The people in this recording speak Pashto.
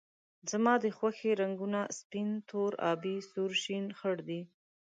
زما د خوښې رنګونه سپین، تور، آبي ، سور، شین ، خړ دي